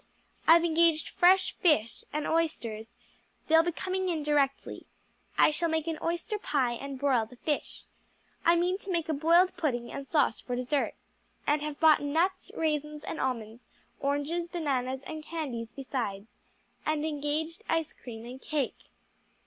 I've engaged fresh fish and oysters they'll be coming in directly. I shall make an oyster pie and broil the fish. I mean to make a boiled pudding and sauce for dessert, and have bought nuts, raisins and almonds, oranges, bananas and candies besides, and engaged ice cream and cake."